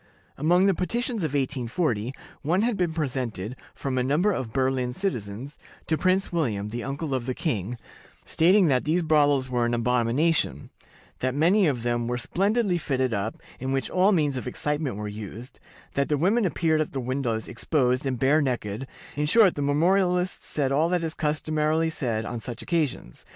Among the petitions of 1840, one had been presented "from a number of Berlin citizens" to Prince William, the uncle of the king, stating that these brothels were an abomination; that many of them were splendidly fitted up, in which all means of excitement were used; that the women appeared at the windows exposed and bare necked; in short, the memorialists said all that is customarily said on such occasions.